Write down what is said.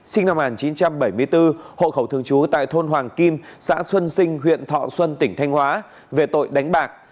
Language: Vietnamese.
sinh năm một nghìn chín trăm bảy mươi bốn hộ khẩu thường trú tại thôn hoàng kim xã xuân sinh huyện thọ xuân tỉnh thanh hóa về tội đánh bạc